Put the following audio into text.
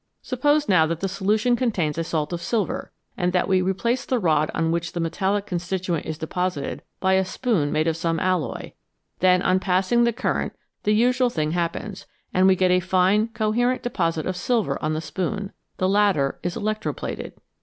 Suppose now that the solution contains a salt of silver, and that we replace the rod on which the metallic constituent is deposited by a spoon made of some alloy, then on passing the current the usual thing happens, and we get a fine, coherent deposit of silver on the spoon ; the latter is electro plated.